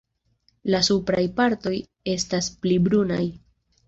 La supraj partoj estas pli brunaj.